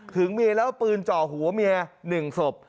หึงเมียแล้วปืนเจาะหัวเมีย๑ศพ